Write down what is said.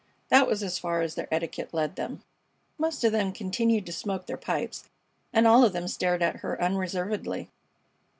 That was as far as their etiquette led them. Most of them continued to smoke their pipes, and all of them stared at her unreservedly.